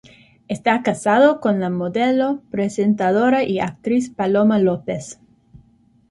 Está casado con la modelo, presentadora y actriz Paloma López.